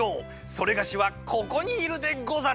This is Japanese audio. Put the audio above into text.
それがしはここにいるでござる！